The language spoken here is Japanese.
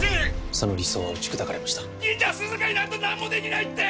その理想は打ち砕かれました兄ちゃん涼香いないと何もできないって！